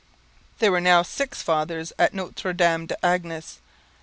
There were now six fathers at Notre Dame des Anges.